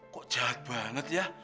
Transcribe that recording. kok jahat banget ya